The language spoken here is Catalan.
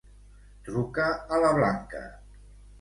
Truca a la Blanca.